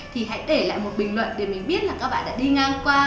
thì hãy để lại một bình luận để mình biết là các bạn đã đi ngang qua